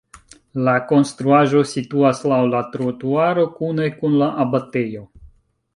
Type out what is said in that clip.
La konstruaĵo situas laŭ la trotuaro kune kun la abatejo.